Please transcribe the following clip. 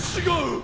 違う！